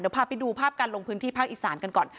พาไปดูภาพการลงพื้นที่ภาคอีสานกันก่อน